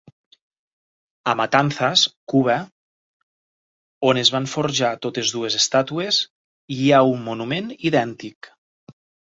A Matanzas (Cuba), on es van forjar totes dues estàtues, hi ha un monument idèntic.